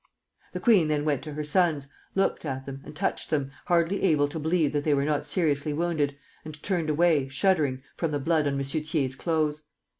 The queen then went to her sons, looked at them, and touched them, hardly able to believe that they were not seriously wounded, and turned away, shuddering, from the blood on M. Thiers' clothes.